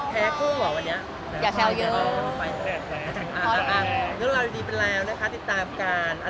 แซวอย่าแซวเยอะ